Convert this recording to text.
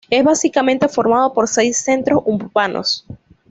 Es básicamente formado por seis centros urbanos.